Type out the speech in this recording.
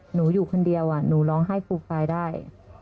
หนูอยู่คนเดียวหนูร้องไห้ปูปายได้